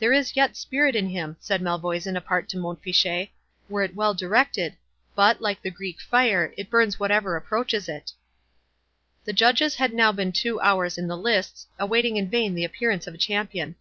"There is yet spirit in him," said Malvoisin apart to Mont Fitchet, "were it well directed—but, like the Greek fire, it burns whatever approaches it." The Judges had now been two hours in the lists, awaiting in vain the appearance of a champion.